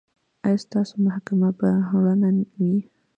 ایا ستاسو محکمه به رڼه وي؟